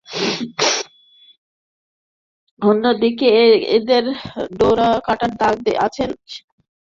অন্যদিকে, এদের ডোরাকাটা দাগ আছে যা সে তার বাবা বাঘের কাছ থেকে পেয়েছে।